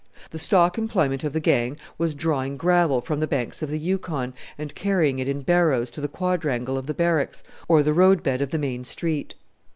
The stock employment of the gang was drawing gravel from the banks of the Yukon and carrying it in barrows to the quadrangle of the Barracks, or the road bed of the main street.